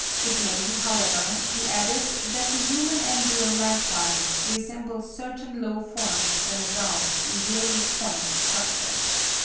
It may, however, be added, that the human embryo likewise resembles certain low forms when adult in various points of structure.